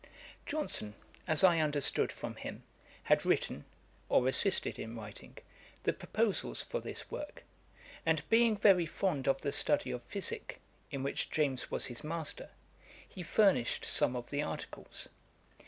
Johnson, as I understood from him, had written, or assisted in writing, the proposals for this work; and being very fond of the study of physick, in which James was his master, he furnished some of the articles.